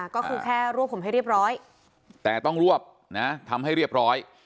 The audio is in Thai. ก็คือแค่รวบผมให้เรียบร้อยแต่ต้องรวบนะทำให้เรียบร้อย